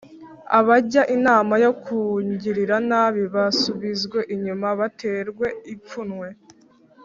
Abajya inama yo kungirira nabi basubizwe inyuma, baterwe ipfunwe